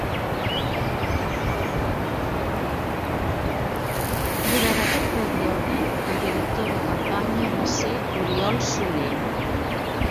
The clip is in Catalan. Durant aquest període, el director de campanya va ser Oriol Soler.